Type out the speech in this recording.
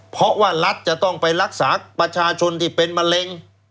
เพราะว่ารัฐจะต้องไปรักษาประชาชนที่เป็นมะเร็ง